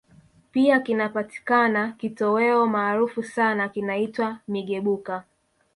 Pia kinapatikana kitoweo maarufu sana kinaitwa Migebuka